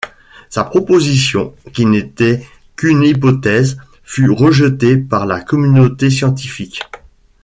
Sa proposition, qui n’était qu’une hypothèse, fut rejetée par la communauté scientifique.